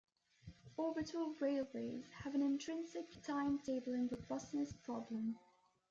Orbital railways have an intrinsic timetabling robustness problem.